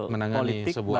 menangani sebuah aksi masa